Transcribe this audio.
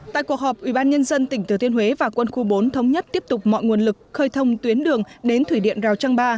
tại cuộc họp ubnd tỉnh thừa thiên huế và quân khu bốn thống nhất tiếp tục mọi nguồn lực khơi thông tuyến đường đến thủy điện rào trăng ba